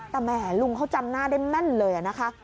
แต่แหมลุงเขาจำหน้าได้แม่นเลยนะคะ